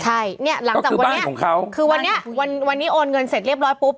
ใช่เนี่ยหลังจากวันนี้คือวันนี้วันนี้โอนเงินเสร็จเรียบร้อยปุ๊บ